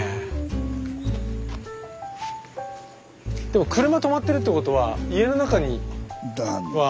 でも車とまってるってことは家の中には。